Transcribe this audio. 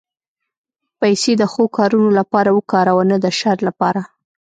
پېسې د ښو کارونو لپاره وکاروه، نه د شر لپاره.